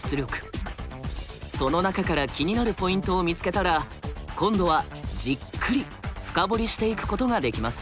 その中から気になるポイントを見つけたら今度はじっくり深掘りしていくことができます。